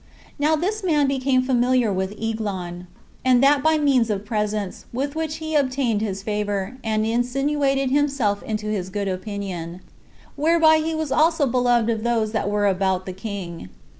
Now this man became familiar with Eglon, and that by means of presents, with which he obtained his favor, and insinuated himself into his good opinion; whereby he was also beloved of those that were about the king.